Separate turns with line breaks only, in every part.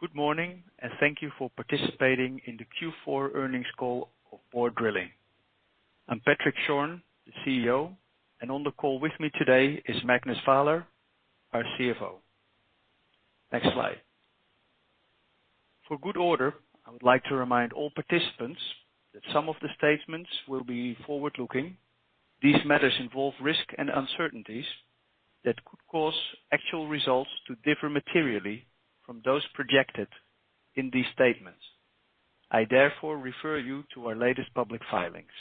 Good morning, and thank you for participating in the Q4 Earnings Call of Borr Drilling. I'm Patrick Schorn, the CEO, and on the call with me today is Magnus Vaaler, our CFO. Next slide. For good order, I would like to remind all participants that some of the statements will be forward-looking. These matters involve risks and uncertainties that could cause actual results to differ materially from those projected in these statements. I therefore refer you to our latest public filings.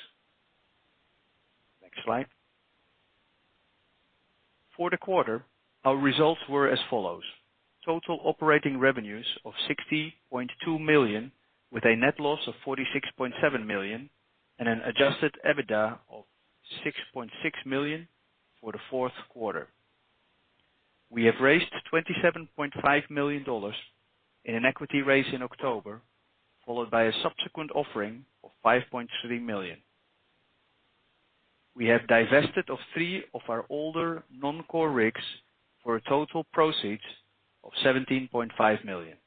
Next slide. For the quarter, our results were as follows: total operating revenues of $60.2 million, with a net loss of $46.7 million, and an adjusted EBITDA of $6.6 million for the fourth quarter. We have raised $27.5 million in an equity raise in October, followed by a subsequent offering of $5.3 million. We have divested of three of our older non-core rigs for total proceeds of $17.5 million.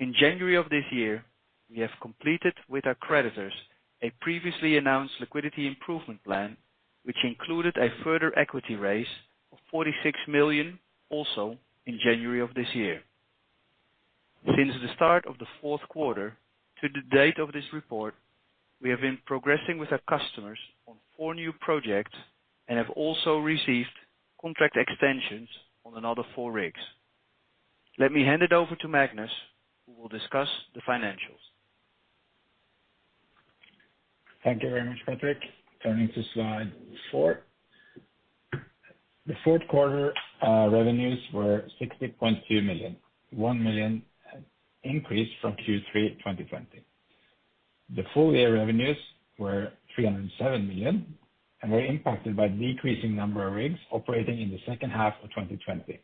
In January of this year, we have completed with our creditors a previously announced liquidity improvement plan, which included a further equity raise of $46 million also in January of this year. Since the start of the fourth quarter to the date of this report, we have been progressing with our customers on four new projects and have also received contract extensions on another four rigs. Let me hand it over to Magnus, who will discuss the financials.
Thank you very much, Patrick. Turning to slide four. The fourth quarter revenues were $60.2 million, a $1 million increase from Q3 2020. The full year revenues were $307 million, and were impacted by the decreasing number of rigs operating in the second half of 2020.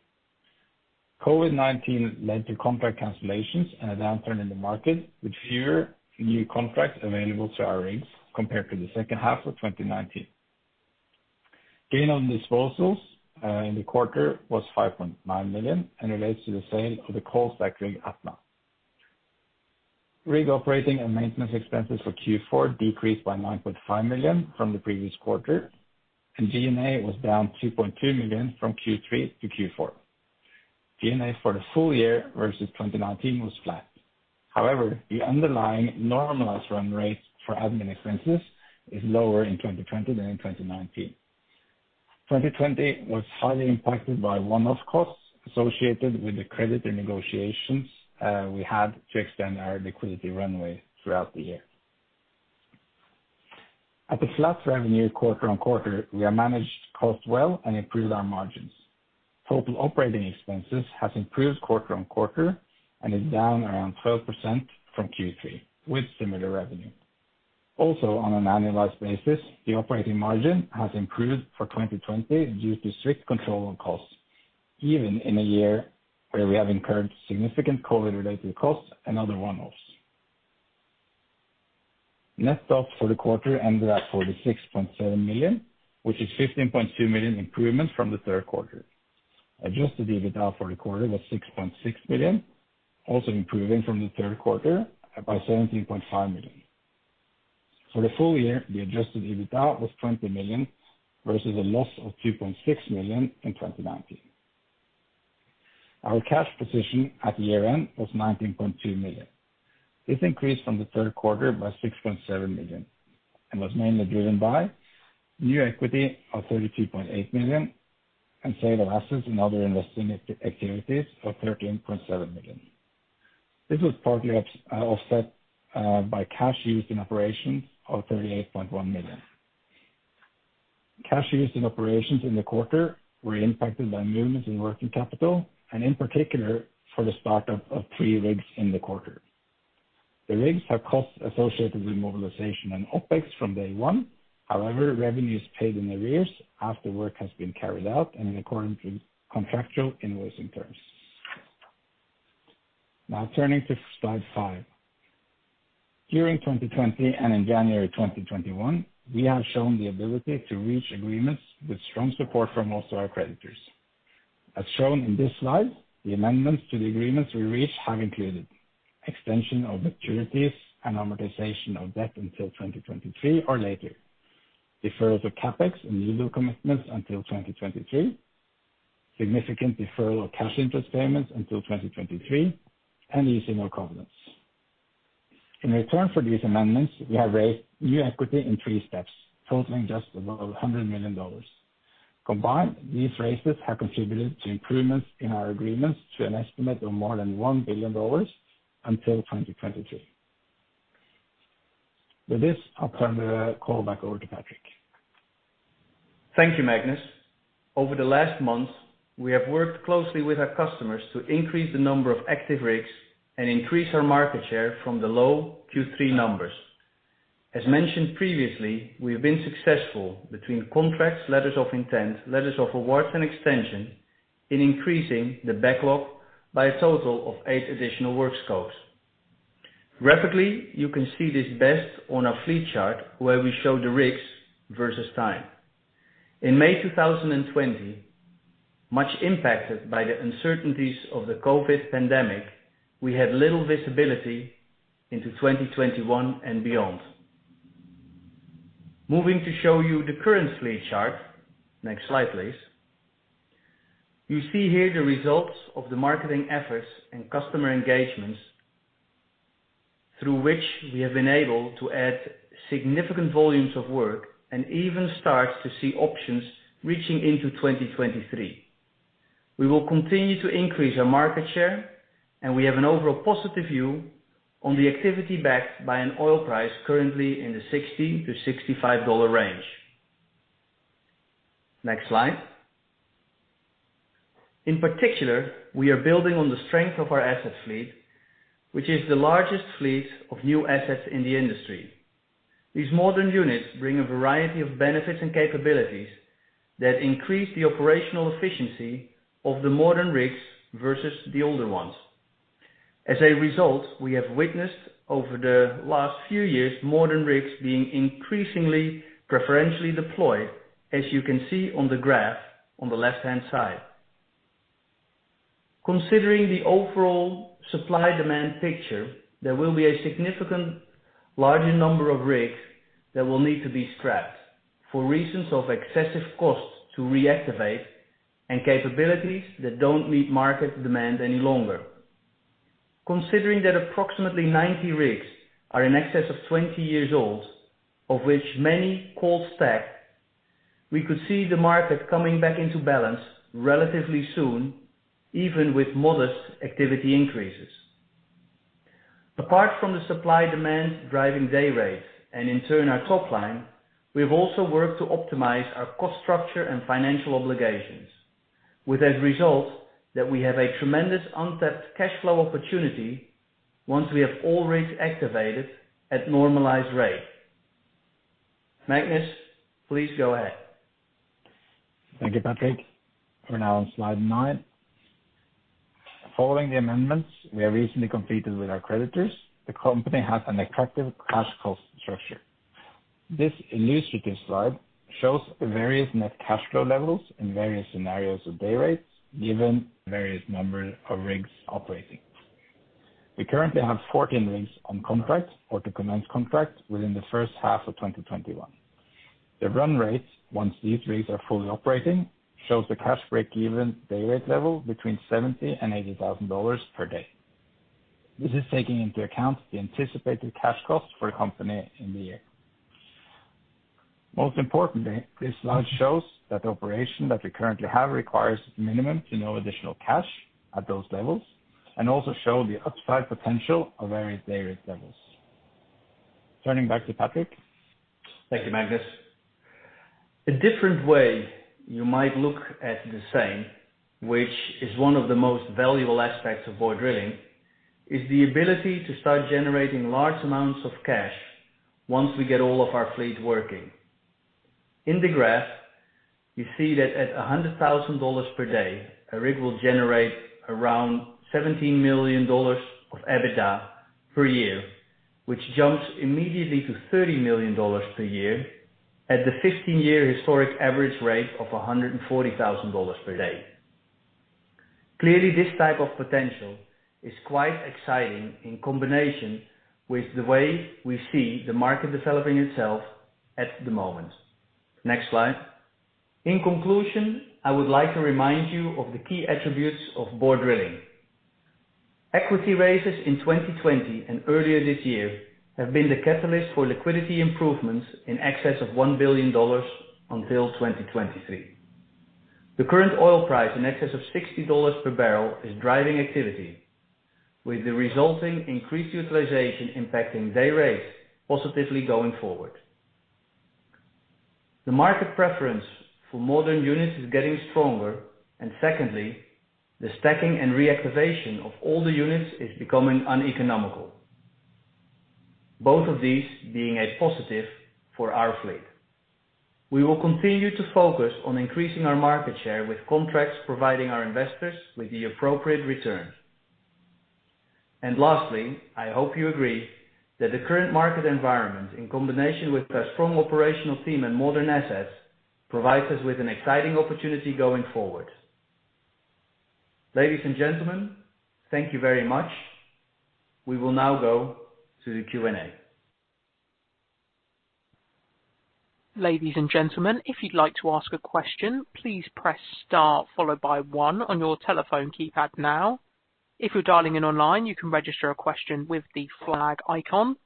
COVID-19 led to contract cancellations and a downturn in the market, with fewer new contracts available to our rigs compared to the second half of 2019. Gain on disposals in the quarter was $5.9 million and relates to the sale of the calls by Craig Aptnar. Rig operating and maintenance expenses for Q4 decreased by $9.5 million from the previous quarter, and G&A was down $2.2 million from Q3 to Q4. G&A for the full year versus 2019 was flat. However, the underlying normalized run rates for admin expenses is lower in 2020 than in 2019. 2020 was highly impacted by one-off costs associated with the credit renegotiations we had to extend our liquidity runway throughout the year. At the last revenue quarter on quarter, we have managed costs well and improved our margins. Total operating expenses have improved quarter on quarter and are down around 12% from Q3, with similar revenue. Also, on an annualized basis, the operating margin has improved for 2020 due to strict control on costs, even in a year where we have incurred significant COVID-related costs and other one-offs. Net stock for the quarter ended at $46.7 million, which is a $15.2 million improvement from the third quarter. Adjusted EBITDA for the quarter was $6.6 million, also improving from the third quarter by $17.5 million. For the full year, the adjusted EBITDA was $20 million versus a loss of $2.6 million in 2019. Our cash position at year-end was $19.2 million. This increased from the third quarter by $6.7 million and was mainly driven by new equity of $32.8 million and sale of assets and other investment activities of $13.7 million. This was partly offset by cash used in operations of $38.1 million. Cash used in operations in the quarter was impacted by movements in working capital, and in particular for the startup of three rigs in the quarter. The rigs have costs associated with mobilization and OPEX from day one. However, revenues paid in arrears after work has been carried out and in accordance with contractual invoicing terms. Now, turning to slide five. During 2020 and in January 2021, we have shown the ability to reach agreements with strong support from most of our creditors. As shown in this slide, the amendments to the agreements we reached have included extension of debt securities and amortization of debt until 2023 or later, deferral to CapEx and legal commitments until 2023, significant deferral of cash interest payments until 2023, and using our confidence. In return for these amendments, we have raised new equity in three steps, totaling just about $100 million. Combined, these raises have contributed to improvements in our agreements to an estimate of more than $1 billion until 2023. With this, I'll turn the call back over to Patrick.
Thank you, Magnus. Over the last months, we have worked closely with our customers to increase the number of active rigs and increase our market share from the low Q3 numbers. As mentioned previously, we've been successful between contracts, letters of intent, letters of awards, and extensions in increasing the backlog by a total of eight additional work scopes. Graphically, you can see this best on our fleet chart, where we show the rigs versus time. In May 2020, much impacted by the uncertainties of the COVID pandemic, we had little visibility into 2021 and beyond. Moving to show you the current fleet chart. Next slide, please. You see here the results of the marketing efforts and customer engagements through which we have been able to add significant volumes of work and even start to see options reaching into 2023. We will continue to increase our market share, and we have an overall positive view on the activity backed by an oil price currently in the $60 to $65 range. Next slide. In particular, we are building on the strength of our asset fleet, which is the largest fleet of new assets in the industry. These modern units bring a variety of benefits and capabilities that increase the operational efficiency of the modern rigs versus the older ones. As a result, we have witnessed over the last few years modern rigs being increasingly preferentially deployed, as you can see on the graph on the left-hand side. Considering the overall supply-demand picture, there will be a significantly larger number of rigs that will need to be scrapped for reasons of excessive cost to reactivate and capabilities that do not meet market demand any longer. Considering that approximately 90 rigs are in excess of 20 years old, of which many call stack, we could see the market coming back into balance relatively soon, even with modest activity increases. Apart from the supply-demand driving day rates and in turn our top line, we have also worked to optimize our cost structure and financial obligations, with as a result that we have a tremendous untapped cash flow opportunity once we have all rigs activated at normalized rate. Magnus, please go ahead.
Thank you, Patrick. We're now on slide nine. Following the amendments we have recently completed with our creditors, the company has an attractive cash cost structure. This illustrative slide shows various net cash flow levels in various scenarios of day rates, given various numbers of rigs operating. We currently have 14 rigs on contract or to commence contract within the first half of 2021. The run rates, once these rigs are fully operating, show the cash rate given day rate level between $70,000 and $80,000 per day. This is taking into account the anticipated cash cost for a company in the year. Most importantly, this slide shows that the operation that we currently have requires minimum to no additional cash at those levels and also shows the upside potential of various levels. Turning back to Patrick.
Thank you, Magnus. A different way you might look at the same, which is one of the most valuable aspects of Borr Drilling, is the ability to start generating large amounts of cash once we get all of our fleet working. In the graph, you see that at $100,000 per day, a rig will generate around $17 million of EBITDA per year, which jumps immediately to $30 million per year at the 15-year historic average rate of $140,000 per day. Clearly, this type of potential is quite exciting in combination with the way we see the market developing itself at the moment. Next slide. In conclusion, I would like to remind you of the key attributes of Borr Drilling. Equity raises in 2020 and earlier this year have been the catalyst for liquidity improvements in excess of $1 billion until 2023. The current oil price in excess of $60 per barrel is driving activity, with the resulting increased utilization impacting day rates positively going forward. The market preference for modern units is getting stronger, and secondly, the stacking and reactivation of all the units is becoming uneconomical, both of these being a positive for our fleet. We will continue to focus on increasing our market share with contracts providing our investors with the appropriate return. Lastly, I hope you agree that the current market environment, in combination with a strong operational team and modern assets, provides us with an exciting opportunity going forward. Ladies and gentlemen, thank you very much. We will now go to the Q&A.
Ladies and gentlemen, if you'd like to ask a question, please press Star, followed by One on your telephone keypad now. If you're dialing in online, you can register a question with the flag icon.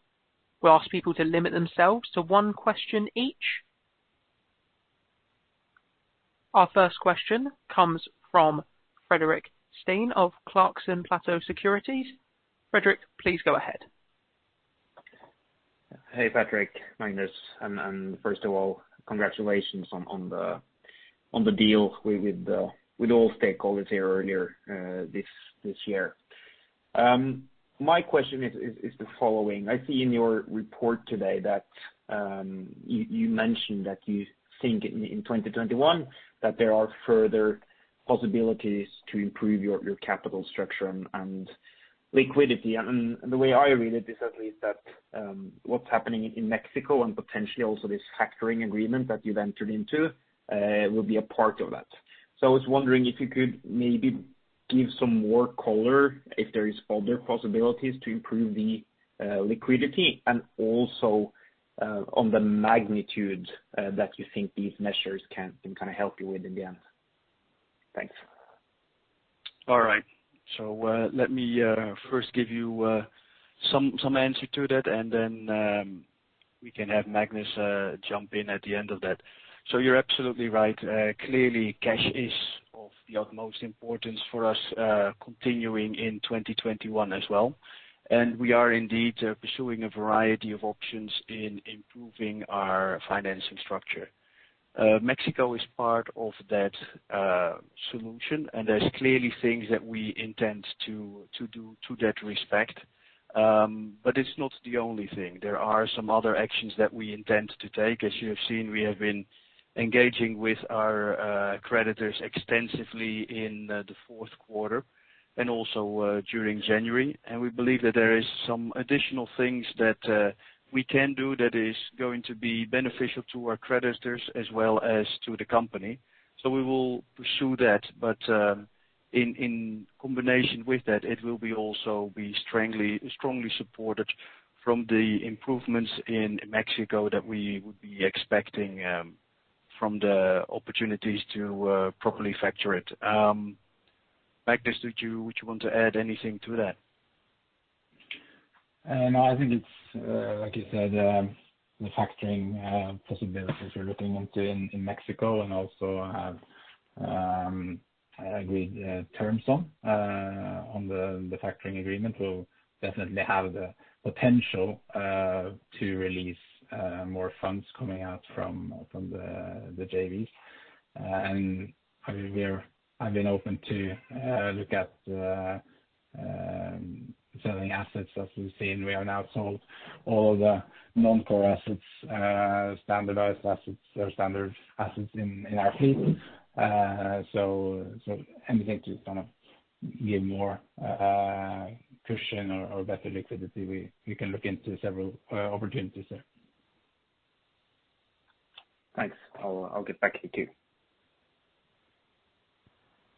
We ask people to limit themselves to one question each. Our first question comes from Fredrik Stene of Clarksons Platou Securities. Fredrik, please go ahead.
Hey, Patrick, Magnus. First of all, congratulations on the deal with all stakeholders here earlier this year. My question is the following. I see in your report today that you mentioned that you think in 2021 that there are further possibilities to improve your capital structure and liquidity. The way I read it is at least that what's happening in Mexico and potentially also this factoring agreement that you've entered into will be a part of that. I was wondering if you could maybe give some more color if there are other possibilities to improve the liquidity and also on the magnitude that you think these measures can kind of help you with in the end. Thanks.
All right. Let me first give you some answer to that, and then we can have Magnus jump in at the end of that. You're absolutely right. Clearly, cash is of the utmost importance for us continuing in 2021 as well. We are indeed pursuing a variety of options in improving our financing structure. Mexico is part of that solution, and there are clearly things that we intend to do to that respect. It's not the only thing. There are some other actions that we intend to take. As you have seen, we have been engaging with our creditors extensively in the fourth quarter and also during January. We believe that there are some additional things that we can do that are going to be beneficial to our creditors as well as to the company. We will pursue that. In combination with that, it will also be strongly supported from the improvements in Mexico that we would be expecting from the opportunities to properly factor it. Magnus, would you want to add anything to that?
No, I think it's, like you said, the factoring possibilities we're looking into in Mexico and also have agreed terms on. On the factoring agreement, we'll definitely have the potential to release more funds coming out from the JVs. I mean, I've been open to look at selling assets. As we've seen, we have now sold all of the non-core assets and standardized assets in our fleet. Anything to kind of give more cushion or better liquidity, we can look into several opportunities there.
Thanks. I'll get back to you too.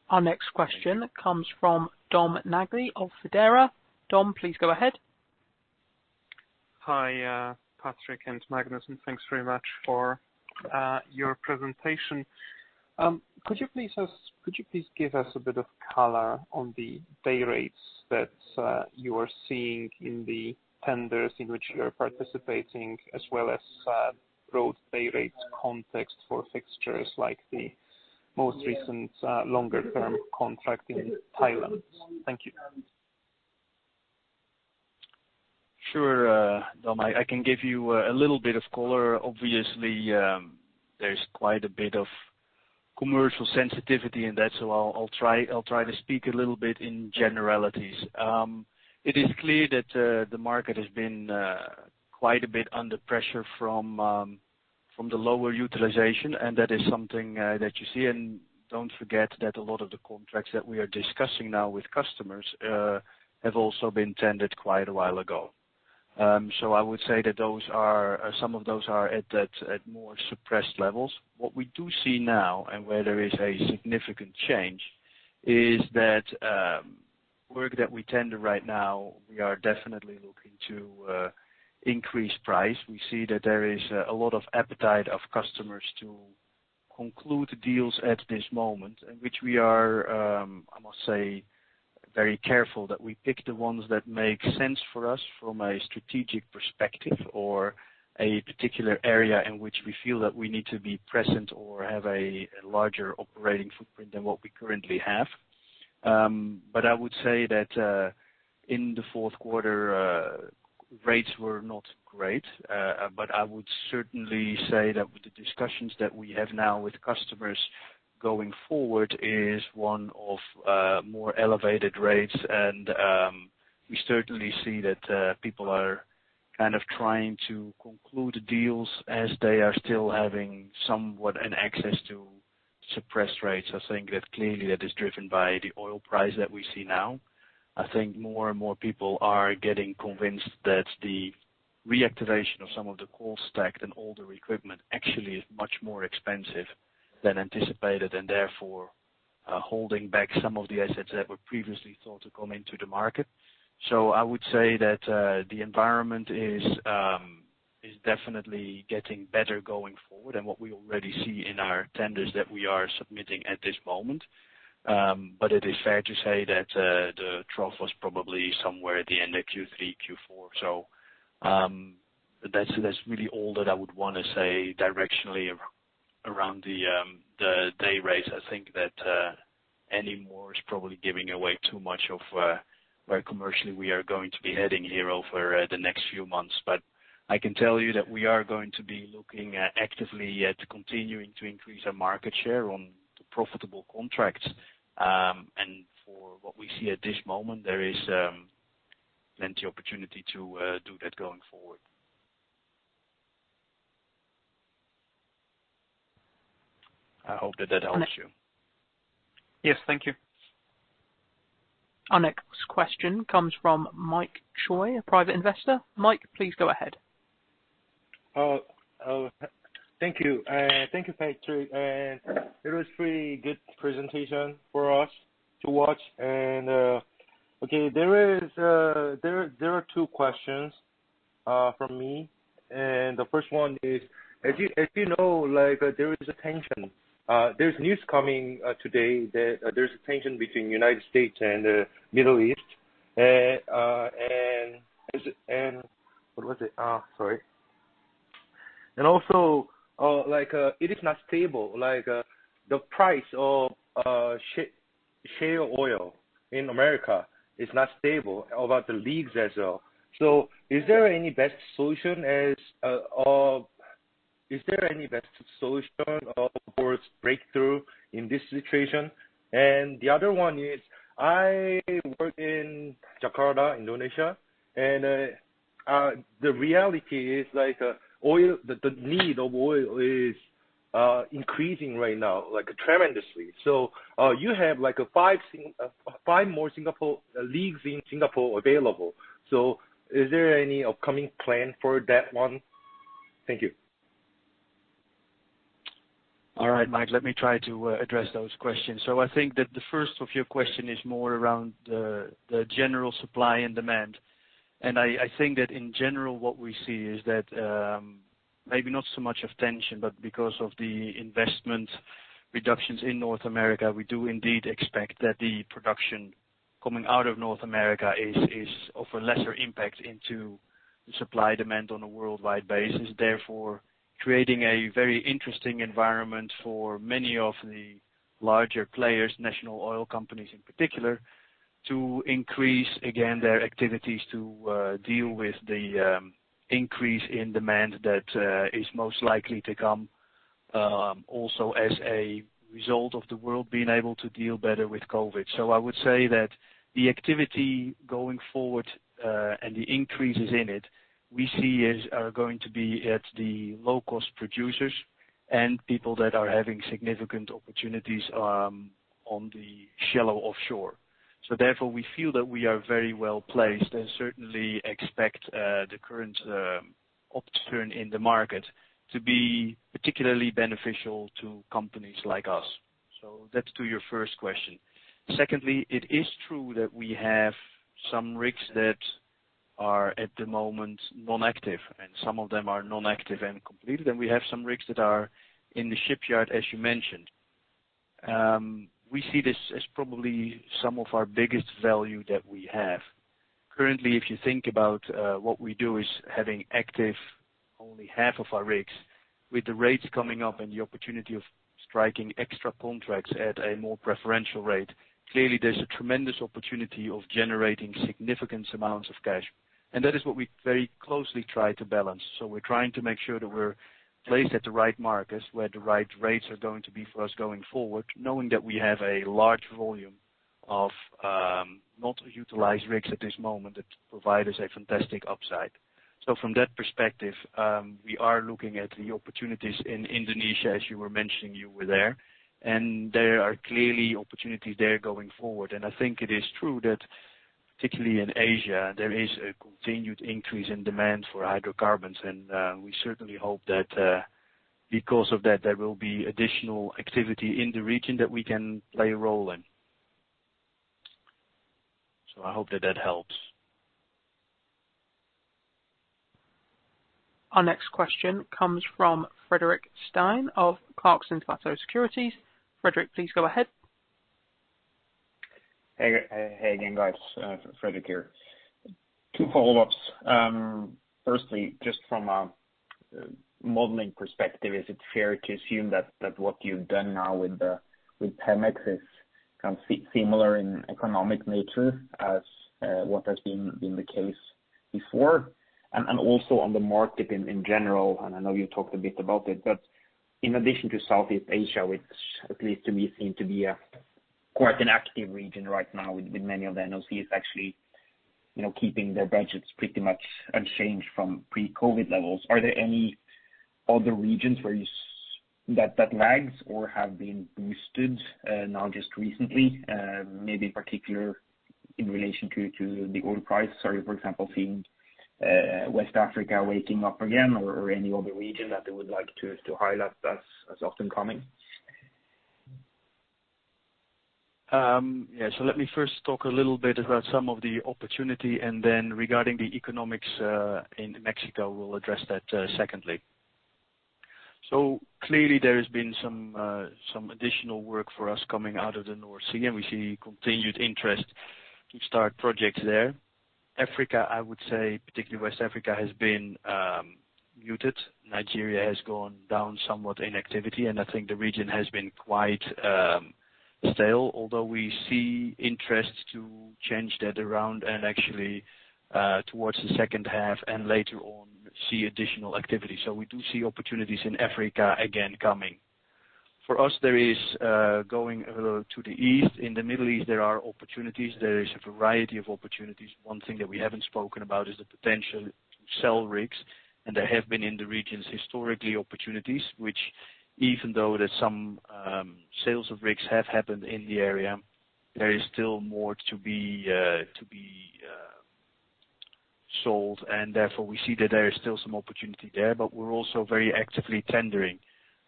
Our next question comes from Dom Nagli of Federal. Dom, please go ahead.
Hi, Patrick and Magnus. Thanks very much for your presentation. Could you please give us a bit of color on the day rates that you are seeing in the tenders in which you're participating, as well as broad day rates context for fixtures like the most recent longer-term contract in Thailand? Thank you.
Sure, Dom. I can give you a little bit of color. Obviously, there is quite a bit of commercial sensitivity in that, so I'll try to speak a little bit in generalities. It is clear that the market has been quite a bit under pressure from the lower utilization, and that is something that you see. Do not forget that a lot of the contracts that we are discussing now with customers have also been tendered quite a while ago. I would say that some of those are at more suppressed levels. What we do see now, and where there is a significant change, is that work that we tender right now, we are definitely looking to increase price. We see that there is a lot of appetite of customers to conclude deals at this moment, in which we are, I must say, very careful that we pick the ones that make sense for us from a strategic perspective or a particular area in which we feel that we need to be present or have a larger operating footprint than what we currently have. I would say that in the fourth quarter, rates were not great. I would certainly say that with the discussions that we have now with customers going forward is one of more elevated rates. We certainly see that people are kind of trying to conclude deals as they are still having somewhat an access to suppressed rates. I think that clearly that is driven by the oil price that we see now. I think more and more people are getting convinced that the reactivation of some of the cold stack and older equipment actually is much more expensive than anticipated and therefore holding back some of the assets that were previously thought to come into the market. I would say that the environment is definitely getting better going forward and what we already see in our tenders that we are submitting at this moment. It is fair to say that the trough was probably somewhere at the end of Q3, Q4. That is really all that I would want to say directionally around the day rates. I think that any more is probably giving away too much of where commercially we are going to be heading here over the next few months. I can tell you that we are going to be looking actively at continuing to increase our market share on profitable contracts. For what we see at this moment, there is plenty of opportunity to do that going forward. I hope that that helps you.
Yes, thank you.
Our next question comes from Mike Choi, a private investor. Mike, please go ahead.
Thank you. Thank you, Patrick. It was a pretty good presentation for us to watch. There are two questions from me. The first one is, as you know, there is a tension. There is news coming today that there is a tension between the United States and the Middle East. What was it? Sorry. Also, it is not stable. The price of shale oil in America is not stable about the leagues as well. Is there any best solution or is there any best solution or breakthrough in this situation? The other one is, I work in Jakarta, Indonesia. The reality is the need of oil is increasing right now, tremendously. You have five more leagues in Singapore available. Is there any upcoming plan for that one? Thank you.
All right, Mike, let me try to address those questions. I think that the first of your question is more around the general supply and demand. I think that in general, what we see is that maybe not so much of tension, but because of the investment reductions in North America, we do indeed expect that the production coming out of North America is of a lesser impact into the supply demand on a worldwide basis. Therefore, creating a very interesting environment for many of the larger players, national oil companies in particular, to increase, again, their activities to deal with the increase in demand that is most likely to come also as a result of the world being able to deal better with COVID. I would say that the activity going forward and the increases in it we see are going to be at the low-cost producers and people that are having significant opportunities on the shallow offshore. Therefore, we feel that we are very well placed and certainly expect the current upturn in the market to be particularly beneficial to companies like us. That's to your first question. Secondly, it is true that we have some rigs that are at the moment non-active, and some of them are non-active and completed. We have some rigs that are in the shipyard, as you mentioned. We see this as probably some of our biggest value that we have. Currently, if you think about what we do, it is having active only half of our rigs. With the rates coming up and the opportunity of striking extra contracts at a more preferential rate, clearly there's a tremendous opportunity of generating significant amounts of cash. That is what we very closely try to balance. We are trying to make sure that we're placed at the right markets where the right rates are going to be for us going forward, knowing that we have a large volume of not utilized rigs at this moment that provide us a fantastic upside. From that perspective, we are looking at the opportunities in Indonesia, as you were mentioning you were there. There are clearly opportunities there going forward. I think it is true that particularly in Asia, there is a continued increase in demand for hydrocarbons. We certainly hope that because of that, there will be additional activity in the region that we can play a role in. I hope that that helps.
Our next question comes from Fredrik Stene of Clarksons Platou Securities. Frederic, please go ahead.
Hey, again, guys. Frederic here. Two follow-ups. Firstly, just from a modeling perspective, is it fair to assume that what you've done now with PEMEX is kind of similar in economic nature as what has been the case before? Also on the market in general, and I know you talked a bit about it, but in addition to Southeast Asia, which appears to me seem to be quite an active region right now with many of the NOCs actually keeping their budgets pretty much unchanged from pre-COVID levels. Are there any other regions where that lags or have been boosted now just recently, maybe in particular in relation to the oil price? Are you, for example, seeing West Africa waking up again or any other region that you would like to highlight as often coming?
Yeah, let me first talk a little bit about some of the opportunity. Regarding the economics in Mexico, we'll address that secondly. Clearly, there has been some additional work for us coming out of the North Sea, and we see continued interest to start projects there. Africa, I would say, particularly West Africa has been muted. Nigeria has gone down somewhat in activity, and I think the region has been quite stale, although we see interest to change that around and actually towards the second half and later on see additional activity. We do see opportunities in Africa again coming. For us, there is going to the east. In the Middle East, there are opportunities. There is a variety of opportunities. One thing that we haven't spoken about is the potential sell rigs. There have been in the regions historically opportunities, which even though some sales of rigs have happened in the area, there is still more to be sold. Therefore, we see that there is still some opportunity there, but we're also very actively tendering.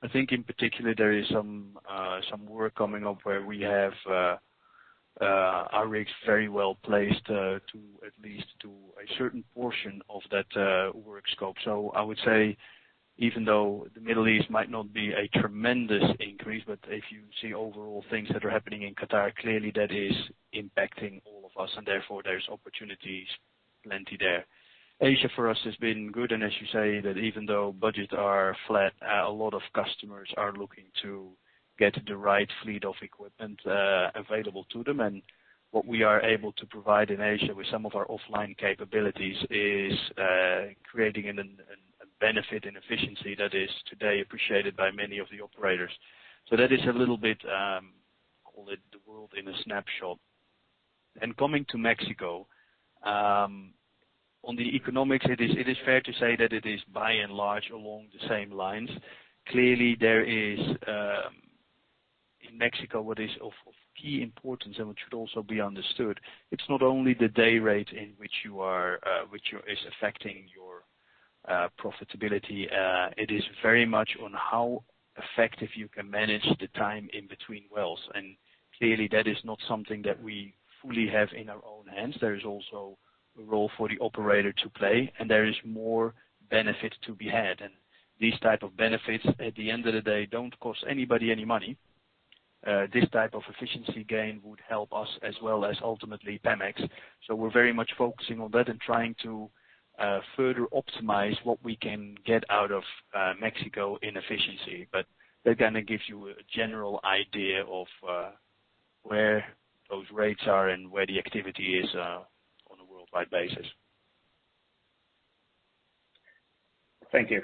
I think in particular, there is some work coming up where we have our rigs very well placed to at least a certain portion of that work scope. I would say, even though the Middle East might not be a tremendous increase, if you see overall things that are happening in Qatar, clearly that is impacting all of us. Therefore, there are opportunities plenty there. Asia for us has been good. As you say, even though budgets are flat, a lot of customers are looking to get the right fleet of equipment available to them. What we are able to provide in Asia with some of our offline capabilities is creating a benefit and efficiency that is today appreciated by many of the operators. That is a little bit, call it the world in a snapshot. Coming to Mexico, on the economics, it is fair to say that it is by and large along the same lines. Clearly, there is in Mexico what is of key importance and what should also be understood. It's not only the day rates in which you are which is affecting your profitability. It is very much on how effective you can manage the time in between wells. Clearly, that is not something that we fully have in our own hands. There is also a role for the operator to play, and there is more benefit to be had. These type of benefits, at the end of the day, do not cost anybody any money. This type of efficiency gain would help us as well as ultimately PEMEX. We are very much focusing on that and trying to further optimize what we can get out of Mexico in efficiency. They are going to give you a general idea of where those rates are and where the activity is on a worldwide basis.
Thank you.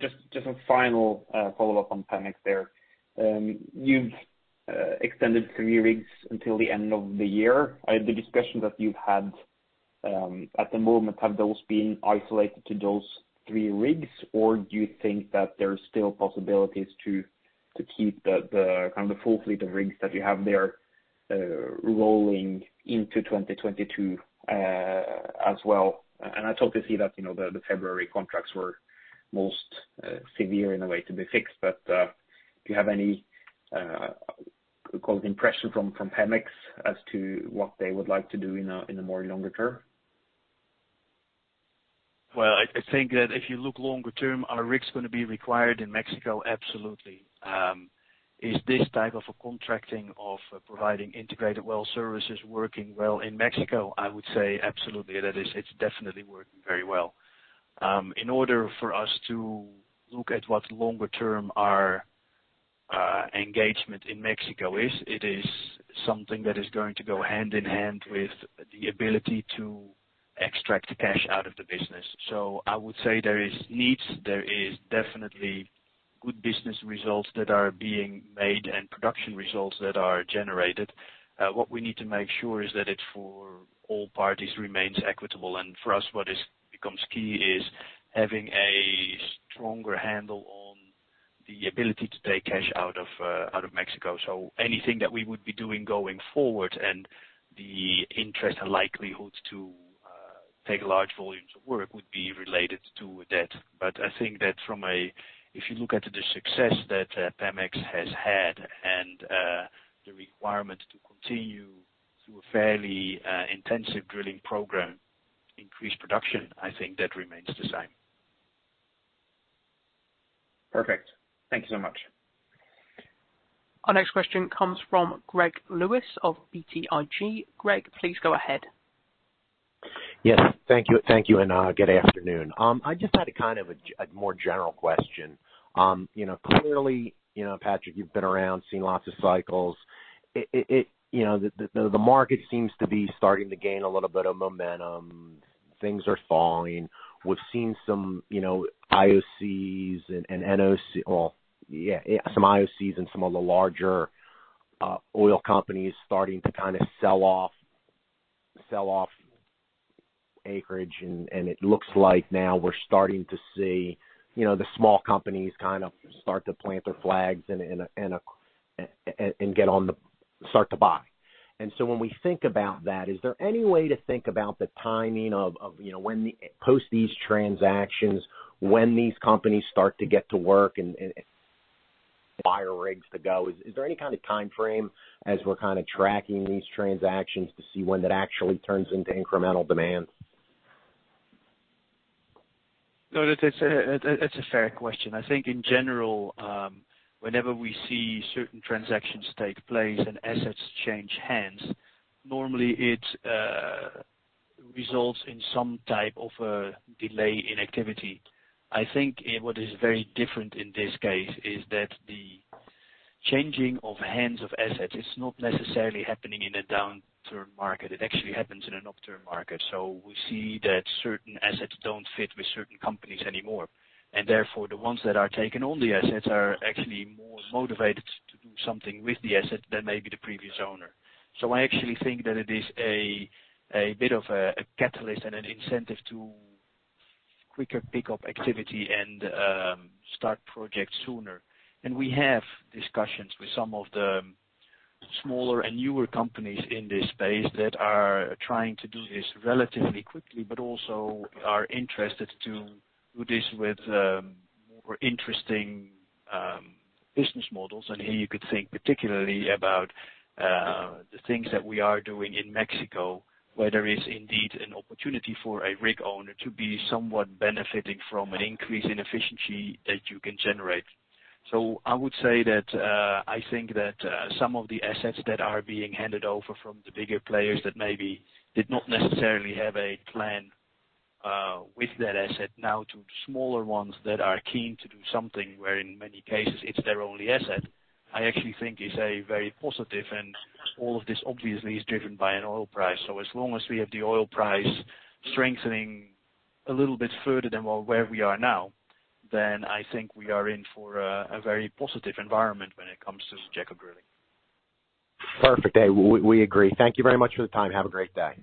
Just a final follow-up on PEMEX there. You've extended three rigs until the end of the year. The discussions that you've had at the moment, have those been isolated to those three rigs, or do you think that there's still possibilities to keep the kind of the full fleet of rigs that you have there rolling into 2022 as well? I talked to see that the February contracts were most severe in a way to be fixed. Do you have any cause impression from PEMEX as to what they would like to do in the more longer term?
I think that if you look longer term, are rigs going to be required in Mexico? Absolutely. Is this type of contracting of providing integrated well services working well in Mexico? I would say absolutely. It's definitely working very well. In order for us to look at what longer term our engagement in Mexico is, it is something that is going to go hand in hand with the ability to extract the cash out of the business. I would say there is needs. There is definitely good business results that are being made and production results that are generated. What we need to make sure is that it for all parties remains equitable. For us, what becomes key is having a stronger handle on the ability to take cash out of Mexico. Anything that we would be doing going forward and the interest and likelihood to take large volumes of work would be related to that. I think that if you look at the success that Pemex has had and the requirement to continue through a fairly intensive drilling program, increased production, I think that remains the same.
Perfect. Thank you so much.
Our next question comes from Greg Lewis of BTIG. Greg, please go ahead.
Yes, thank you. Thank you. Good afternoon. I just had a kind of a more general question. Clearly, Patrick, you've been around, seen lots of cycles. The market seems to be starting to gain a little bit of momentum. Things are falling. We've seen some IOCs and NOCs, yeah, some IOCs and some of the larger oil companies starting to kind of sell off acreage. It looks like now we're starting to see the small companies kind of start to plant their flags and get on the start to buy. When we think about that, is there any way to think about the timing of when post these transactions, when these companies start to get to work and buy rigs to go? Is there any kind of time frame as we're kind of tracking these transactions to see when that actually turns into incremental demand?
No, that's a fair question. I think in general, whenever we see certain transactions take place and assets change hands, normally it results in some type of a delay in activity. I think what is very different in this case is that the changing of hands of assets is not necessarily happening in a downturn market. It actually happens in an upturn market. We see that certain assets don't fit with certain companies anymore. Therefore, the ones that are taking on the assets are actually more motivated to do something with the asset than maybe the previous owner. I actually think that it is a bit of a catalyst and an incentive to quicker pickup activity and start projects sooner. We have discussions with some of the smaller and newer companies in this space that are trying to do this relatively quickly, but also are interested to do this with more interesting business models. Here you could think particularly about the things that we are doing in Mexico, where there is indeed an opportunity for a rig owner to be somewhat benefiting from an increase in efficiency that you can generate. I would say that I think that some of the assets that are being handed over from the bigger players that maybe did not necessarily have a plan with that asset now to smaller ones that are keen to do something where in many cases it is their only asset, I actually think is very positive. All of this obviously is driven by an oil price. As long as we have the oil price strengthening a little bit further than where we are now, then I think we are in for a very positive environment when it comes to the jack-up drilling.
Perfect. We agree. Thank you very much for the time. Have a great day.